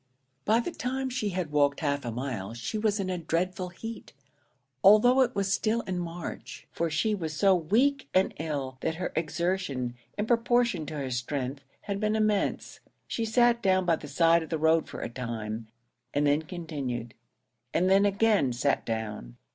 By the time she had walked half a mile she was in a dreadful heat, although it was still in March, for she was so weak and ill that her exertion, in proportion to her strength, had been immense. She sat down by the side of the road for a time, and then continued; and then again sat down.